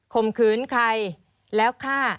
มขืนใครแล้วฆ่า